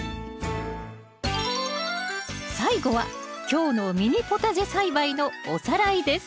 最後は今日のミニポタジェ栽培のおさらいです。